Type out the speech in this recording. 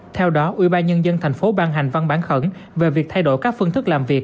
theo đó ubnd tp ban hành văn bản khẩn về việc thay đổi các phương thức làm việc